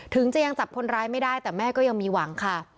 ถึงจะยังจับคนร้ายไม่ได้แต่แม่ก็ยังมีหวังค่ะ